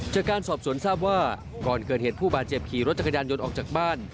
จากการสอบสวนทราบว่าก่อนเกิดเหตุผู้บาดเจ็บขี่รถจักรยานยนต์ออกจากบ้าน